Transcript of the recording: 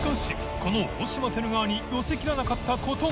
この大島てる側に寄せきらなかったことが¬